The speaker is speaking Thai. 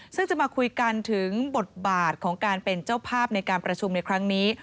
ซึ่งจะมาคุยกันถึงบทบาทของการเป็นเจ้าภาพในการประชุมในครั้งนี้